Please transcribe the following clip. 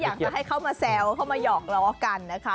ที่อยากให้เข้ามาแซวเข้ามาหยอกเรากันนะคะ